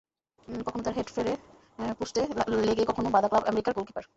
কখনো তাঁর হেড ফেরে পোস্টে লেগে, কখনো বাধা ক্লাব আমেরিকার গোলকিপার।